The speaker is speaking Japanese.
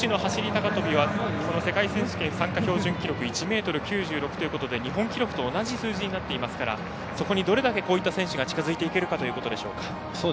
高跳びは世界選手権、参加標準記録１ｍ９６ということで日本記録と同じ数字になっていますからそこにどれだけこういった選手が近づいていけるかということになるでしょうか。